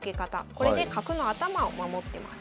これで角の頭を守ってます。